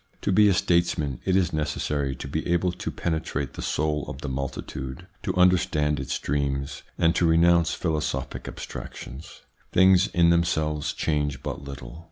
To be a statesman, it is necessary to be able to penetrate the soul of the multitude, to understand its dreams, and to renounce philosophic abstractions. Things in themselves change but little.